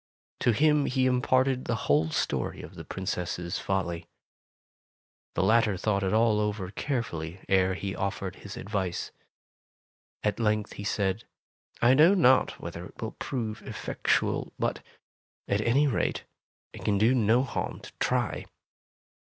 To him he imparted the whole story of the Princess' folly. The latter thought it all over care fully ere he offered his advice. At length he said : know not whether it will prove effectual, but at any rate, it can do no harm to try.